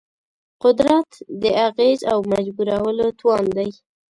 قدرت د اغېز او مجبورولو توان دی.